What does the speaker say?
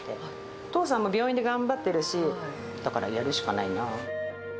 お父さんも病院で頑張ってるし、だからやるしかないな。